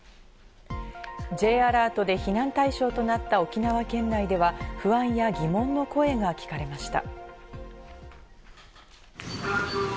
Ｊアラートで避難対象となった沖縄県内では不安や疑問の声が聞かれました。